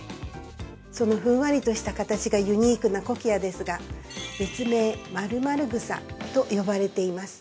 そのふんわりとした形がユニークなコキアですが、別名○○草と呼ばれています。